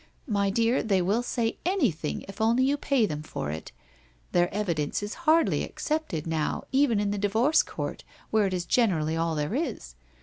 My dear, they will say anything, if only you pay them for it. Their evidence is hardly accepted now even in the divorce court, where it is generally all there is.